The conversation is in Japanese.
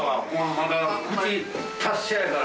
まだ口達者やから。